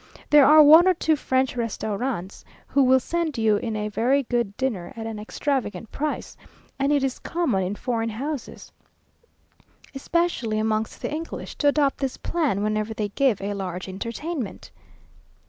There are one or two French restaurans, who will send you in a very good dinner at an extravagant price: and it is common in foreign houses, especially amongst the English, to adopt this plan whenever they give a large entertainment.